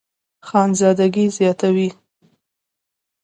خانزادګۍ زياتوي